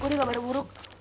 gue udah kabar buruk